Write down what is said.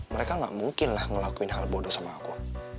mereka nggak mungkinlah ngelakuin hal bodoh sama aku